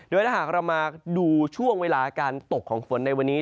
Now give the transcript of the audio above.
ถ้าหากเรามาดูช่วงเวลาการตกของฝนในวันนี้